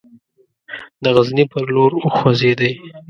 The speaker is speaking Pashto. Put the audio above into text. د غزني پر لور وخوځېدی.